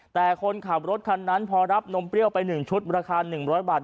แต่คนขับรถคันนั้นพอรับนมเปรี้ยวไป๑ชุดราคา๑๐๐บาท